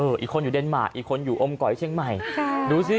อีกคนอยู่เดนมาร์อีกคนอยู่อมก๋อยเชียงใหม่ค่ะดูสิ